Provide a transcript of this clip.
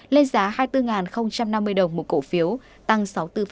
lên giá hai mươi bốn năm mươi đồng một cổ phiếu tăng sáu mươi bốn